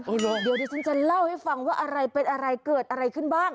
เดี๋ยวดิฉันจะเล่าให้ฟังว่าอะไรเป็นอะไรเกิดอะไรขึ้นบ้าง